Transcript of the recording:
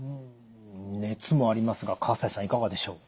熱もありますが西さんいかがでしょう？